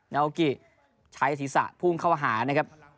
นาโอกิใช้ศีรษะพุ่งเข้าหานะครับ